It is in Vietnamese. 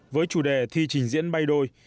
với chủ đề thi trình diễn bay đôi